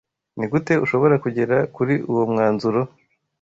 Nigute ushobora kugera kuri uwo mwanzuro?